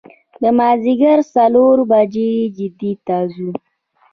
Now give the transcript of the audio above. د مازدیګر څلور بجې جدې ته ځو.